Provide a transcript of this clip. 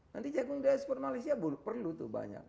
nanti jagung di ekspor malaysia perlu tuh banyak